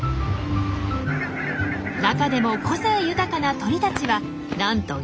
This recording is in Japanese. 中でも個性豊かな鳥たちはなんと２５０種。